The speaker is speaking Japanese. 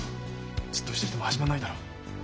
じっとしてても始まんないだろ。